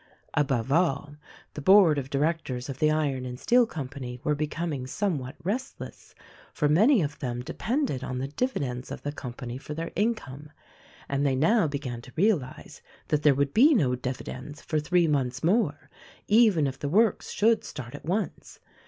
Above all, the Board of Directors of the Iron and Steel Company were becoming somewhat restless ; for many of them depended on the dividends of the company for their income — and they now began to realize that there would be no dividends for three months more, even if the works should start at once.